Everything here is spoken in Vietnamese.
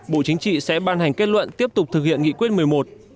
bộ chính trị sẽ ban hành kết luận tiếp tục thực hiện nghị quyết một mươi một